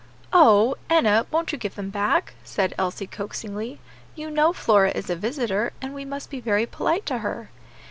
"Oh! Enna, won't you give them back?" said Elsie, coaxingly; "you know Flora is a visitor, and we must be very polite to her."